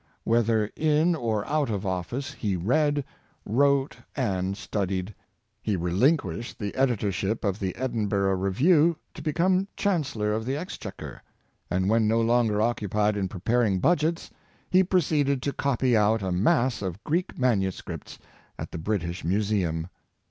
Whether in or out of office, he read, wrote, and studied. He reHnquished the editorship of the " Edinburgh Review '' to become chancellor of the exchequer; and when no longer occu pied in preparing budgets, he proceeded to copy out a mass of Greek manuscripts at the British Museum.